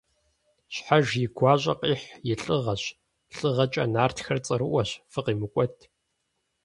Щхьэж и гуащӀэ къихь и лӀыгъэщ, лӀыгъэкӀэ нартхэр цӀэрыӀуэщ, фыкъимыкӀуэт!